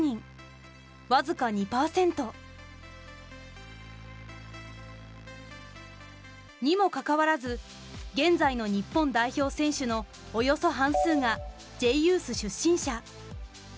僅か２％。にもかかわらず現在の日本代表選手のおよそ半数がＪユース出身者。